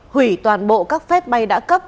hủy toàn bộ các phép bay đã cấp